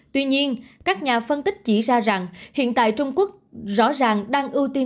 tuy nhiên các nhà phân tích chỉ ra rằng hiện tại trung quốc rõ ràng đang ưu tiên